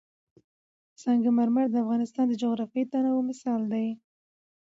سنگ مرمر د افغانستان د جغرافیوي تنوع مثال دی.